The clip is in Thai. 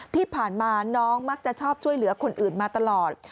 ที่ผ่านมาน้องมักจะชอบช่วยเหลือคนอื่นมาตลอด